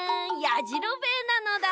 やじろべえなのだ。